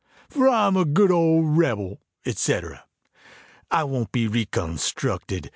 For I'm a good old rebel, etc. I won't be re constructed!